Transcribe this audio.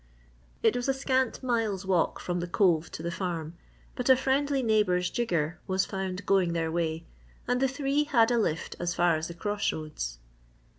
It was a scant mile's walk from the Cove to the farm but a friendly neighbour's "jigger" was found going their way, and the three had a lift as far as the cross roads.